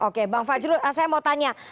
oke bang fajrul saya mau tanya